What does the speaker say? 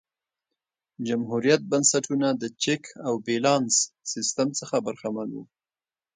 جمهوريت بنسټونه د چک او بیلانس سیستم څخه برخمن وو.